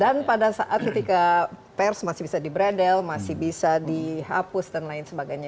dan pada saat ketika pers masih bisa di bredel masih bisa dihapus dan lain sebagainya